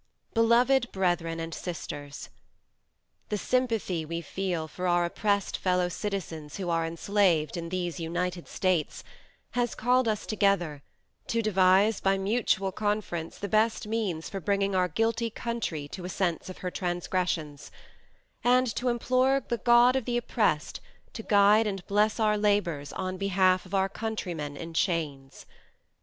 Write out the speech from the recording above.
BELOVED BRETHREN AND SISTERS The sympathy we feel for our oppressed fellow citizens who are enslaved in these United States, has called us together, to devise by mutual conference the best means for bringing our guilty country to a sense of her transgressions; and to implore the God of the oppressed to guide and bless our labors on behalf of our "countrymen in chains."